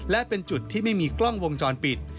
และเป็นจุดที่ไม่มีกล้องวงจรปิด